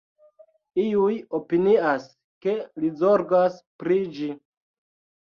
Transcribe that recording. Iuj opinias, ke li zorgas pri ĝi.